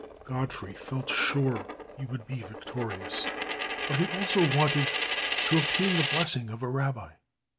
Godfrey felt sure he would be victorious, but he also wanted to obtain the blessing of a rabbi.